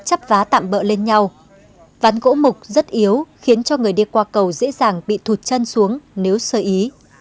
chắp vá tạm bỡ lên nhau ván gỗ mục rất yếu khiến cho người đi qua cầu dễ dàng bị thụt chân xuống nếu sợ ý